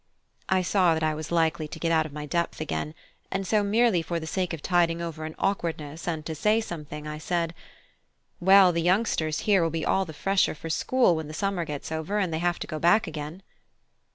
I saw that I was likely to get out of my depth again, and so merely for the sake of tiding over an awkwardness and to say something, I said "Well, the youngsters here will be all the fresher for school when the summer gets over and they have to go back again."